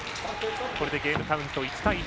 これでゲームカウント１対１。